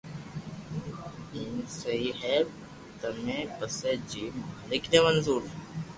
ايم سھي ھي ني پسي جيم مالڪ ني منظور